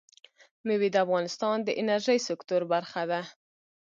مېوې د افغانستان د انرژۍ سکتور برخه ده.